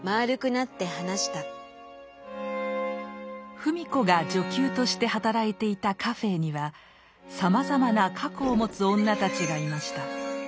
芙美子が女給として働いていたカフェーにはさまざまな過去を持つ女たちがいました。